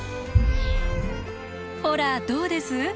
ほらどうです？